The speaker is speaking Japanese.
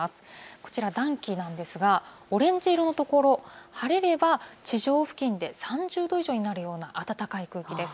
こちら、暖気なんですがオレンジ色のところ、晴れれば地上付近で３０度以上になるような暖かい空気です。